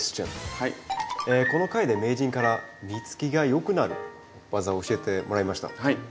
この回で名人から実つきが良くなる技を教えてもらいました。